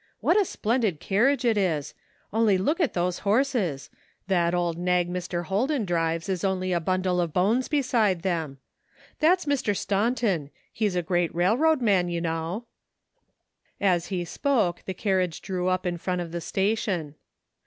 What a splendid carriage it is. Only look at those horses ; that old nag Mr. Hoiden drives is only a bundle of bones beside them. That's Mr. Staunton; he's a great railroad man, you know." As he spoke the carriage drew up in front of the station.